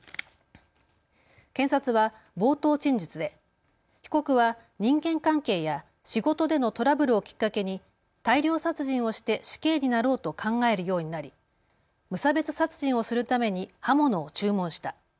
検察は冒頭陳述で被告は人間関係や仕事でのトラブルをきっかけに大量殺人をして死刑になろうと考えるようになり無差別殺人をするために刃物を注文した。